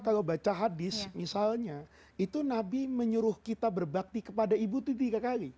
kalau baca hadis misalnya itu nabi menyuruh kita berbakti kepada ibu itu tiga kali